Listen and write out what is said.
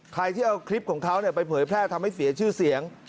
ใครที่เอาคลิปของเขาไปเผยแพร่ทำให้เสียชื่อเสียง